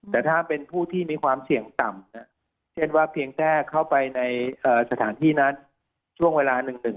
แต่ถ้าเป็นผู้ที่มีความเสี่ยงต่ำเช่นว่าเพียงแค่เข้าไปในสถานที่นั้นช่วงเวลา๑๑